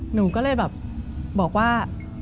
หนูก็เลยแบบบอกว่า